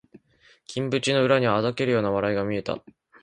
金縁の裏には嘲るような笑いが見えた